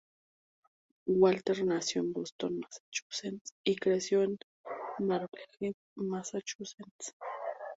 Walters nació en Boston, Massachusetts y creció en Marblehead, Massachusetts.